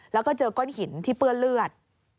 แล้วก็เจอก้อนหินที่เปื้อนเลือด